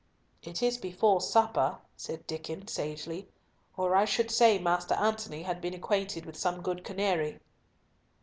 "It is before supper," said Diccon, sagely, "or I should say Master Antony had been acquainted with some good canary."